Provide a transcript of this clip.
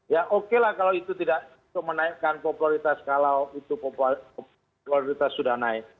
ya oke lah kalau itu tidak menaikkan popularitas kalau itu popularitas sudah naik